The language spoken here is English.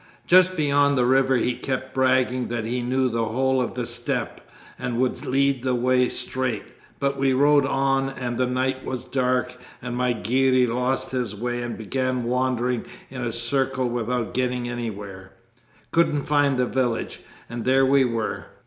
'Just beyond the river he kept bragging that he knew the whole of the steppe and would lead the way straight, but we rode on and the night was dark, and my Girey lost his way and began wandering in a circle without getting anywhere: couldn't find the village, and there we were.